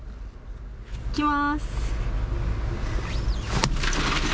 いきます。